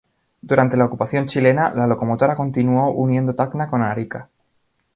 Durante la ocupación chilena, la locomotora continuó uniendo Tacna con Arica.